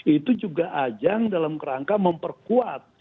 itu juga ajang dalam kerangka memperkuat